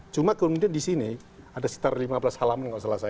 cuma kemudian di sini ada sekitar lima belas halaman kalau salah saya